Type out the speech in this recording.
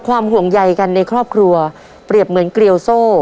ห่วงใยกันในครอบครัวเปรียบเหมือนเกลียวโซ่